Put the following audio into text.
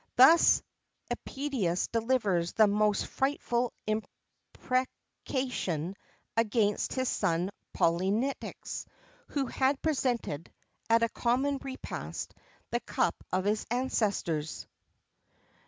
Thus Œdipus delivers the most frightful imprecation against his son Polynices, who had presented, at a common repast, the cup of his ancestors.